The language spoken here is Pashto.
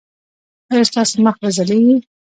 ایا ستاسو مخ به ځلیږي؟